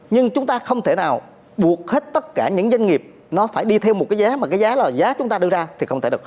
nhưng chúng ta không thể nào buộc hết tất cả những doanh nghiệp nó phải đi theo một cái giá mà cái giá là giá chúng ta đưa ra thì không thể được